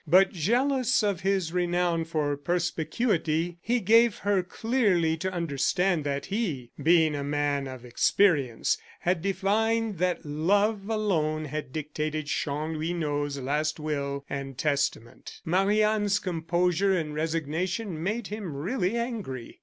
But jealous of his renown for perspicuity, he gave her clearly to understand that he, being a man of experience, had divined that love alone had dictated Chanlouineau's last will and testament. Marie Anne's composure and resignation made him really angry.